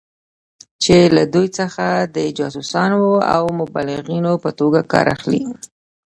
چې له دوی څخه د جاسوسانو او مبلغینو په توګه کار اخلي.